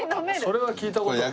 それは聞いた事ない。